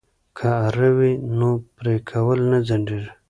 که اره وي نو پرې کول نه ځنډیږي.